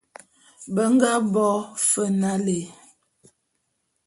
Be nga bo fe nalé.